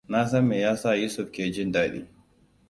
Na san me yasa Yusuf ke jin dadi.